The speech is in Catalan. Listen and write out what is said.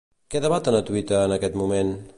Què debaten a Twitter en aquest moment?